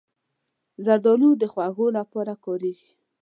زردالو د خوږو لپاره کارېږي.